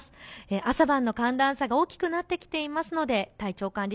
朝晩の寒暖差が大きくなってきていますので体調管理